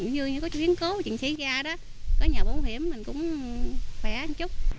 ví dụ như có chuyển cố chuyển xí ra đó có nhà bảo hiểm mình cũng khỏe một chút